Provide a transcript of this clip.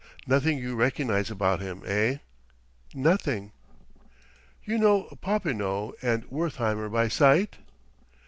"Nothing you recognize about him, eh?" "Nothing...." "You know Popinot and Wertheimer by sight?"